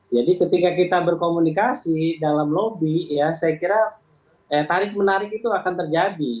jadi ketika kita berkomunikasi dalam lobby ya saya kira tarik menarik itu akan terjadi